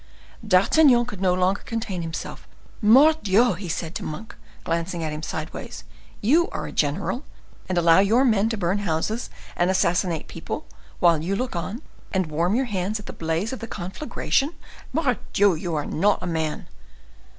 D'Artagnan could no longer contain himself. "Mordioux!" said he to Monk, glancing at him sideways: "you are a general, and allow your men to burn houses and assassinate people, while you look on and warm your hands at the blaze of the conflagration? Mordioux! you are not a man."